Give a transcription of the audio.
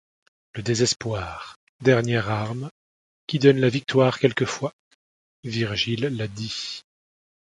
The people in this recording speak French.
Le désespoir, dernière arme, qui donne la victoire quelquefois ; Virgile l’a dit.